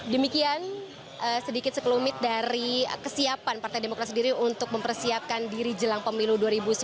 demikian sedikit sekelumit dari kesiapan partai demokrat sendiri untuk mempersiapkan diri jelang pemilu dua ribu sembilan belas